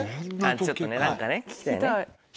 ちょっとね何かね聞きたいね。